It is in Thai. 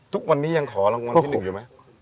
ทุกวันนี้ยังขอรางวัลที่๑อยู่ไหม